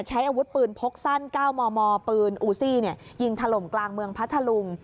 ใช้อาวุธปืนพกสั้น๙มมปืนอูซี่ยิงถล่มกลางเมืองพัทธลุง